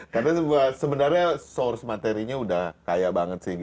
karena sebenarnya source materinya sudah kaya banget sih